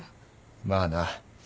まあな。